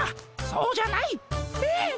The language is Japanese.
そうじゃない！えっ？